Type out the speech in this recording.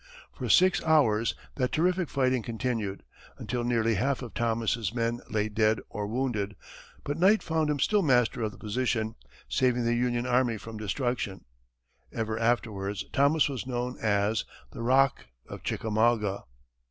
For six hours that terrific fighting continued, until nearly half of Thomas's men lay dead or wounded, but night found him still master of the position, saving the Union army from destruction. Ever afterwards Thomas was known as "The Rock of Chickamauga."